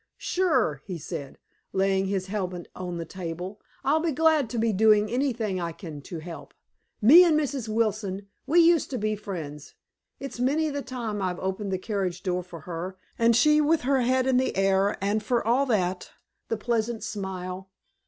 "Sure," he said, laying his helmet on the table. "I'll be glad to be doing anything I can to help. Me and Mrs. Wilson we used to be friends. It's many the time I've opened the carriage door for her, and she with her head in the air, and for all that, the pleasant smile.